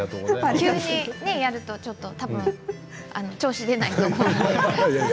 急にやると調子が出ないと思うので。